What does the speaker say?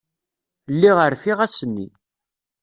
Lliɣ rfiɣ ass-nni.